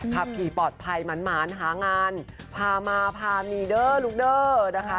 ขับขี่ปลอดภัยหมานหางานพามาพามีเด้อลูกเด้อนะคะ